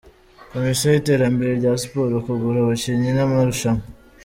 Komisiyo y’iterambere rya Siporo, kugura abakinnyi n’amarushanwa.